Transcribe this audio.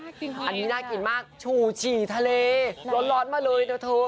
อันนี้น่ากินมากชูฉี่ทะเลร้อนมาเลยนะเธอ